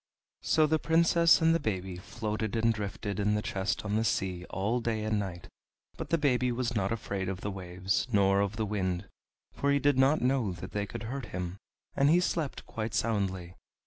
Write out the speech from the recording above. So the Princess and the baby floated and drifted in the chest on the sea all day and night, but the baby was not afraid of the waves nor of the wind, for he did not know that they could hurt him, and he slept quite soundly.